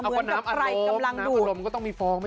เหมือนกับใครกำลังดูน้ำอารมณ์มันก็ต้องมีฟอง